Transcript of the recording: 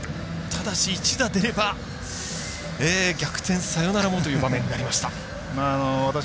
ただし、一打出れば逆転サヨナラもという場面になりました。